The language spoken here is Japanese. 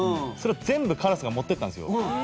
それを全部カラスが持ってったんですよ。